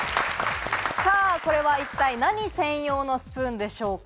これは一体、何専用のスプーンでしょうか？